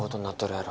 やろ